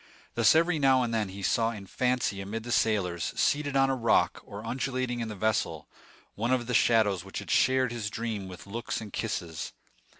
Thus every now and then he saw in fancy amid the sailors, seated on a rock, or undulating in the vessel, one of the shadows which had shared his dream with looks and kisses.